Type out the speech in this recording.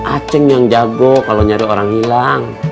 aceh yang jago kalau nyari orang hilang